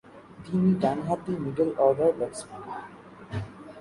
তিনি ডানহাতি middle order batsman.